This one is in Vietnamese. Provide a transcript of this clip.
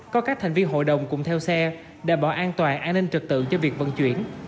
có các thành viên hội đồng cùng theo xe đảm bảo an toàn an ninh trực tự cho việc vận chuyển